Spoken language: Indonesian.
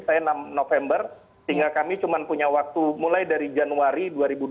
saya enam november sehingga kami cuma punya waktu mulai dari januari dua ribu dua puluh